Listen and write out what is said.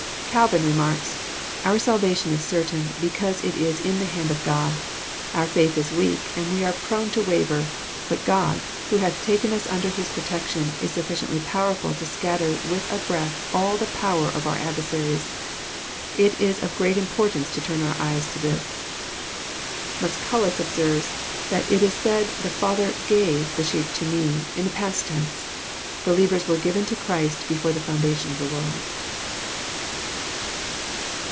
Calvin remarks :" Our salvation is certain, because it is in the hand of God. Our faith is weak, and we are prone to waver: but God, who hath taken ns under His protection is suflSciently powerful to scatter with a breath all the power of our adversaries. It is of great importance to turn oar eyes to this." Musculus observes that it is said the Father "gave" the sheep to Me, in the past tense. Believers were given to Christ before the foundation of the world.